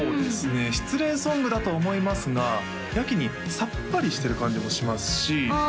失恋ソングだと思いますがやけにさっぱりしてる感じもしますしああ